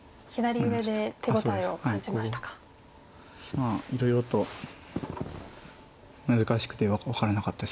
まあいろいろと難しくて分からなかったですけど全然。